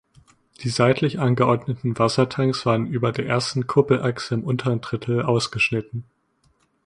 Die seitlich angeordneten Wassertanks waren über der ersten Kuppelachse im unteren Drittel ausgeschnitten.